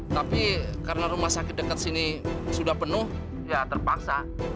tapi karena rumah sakit dekat sini sudah penuh ya terpaksa